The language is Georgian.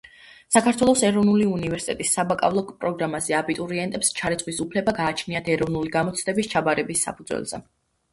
საქართველოს ეროვნული უნივერსიტეტის საბაკალავრო პროგრამაზე აბიტურიენტებს ჩარიცხვის უფლება გააჩნიათ ეროვნული გამოცდების ჩაბარების საფუძველზე.